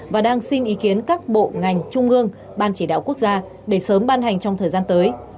và đang xin ý kiến các bộ ngành trung ương ban chỉ đạo quốc gia để sớm ban hành trong thời gian tới